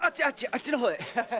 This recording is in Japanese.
あっちの方へ。